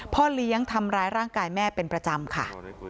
พ่อเลี้ยงทำร้ายร่างกายแม่เป็นประจำค่ะ